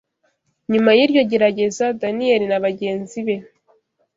Nyuma y’iryo gerageza, Daniyeli na bagenzi be